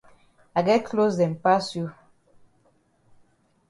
I get closs dem pass you.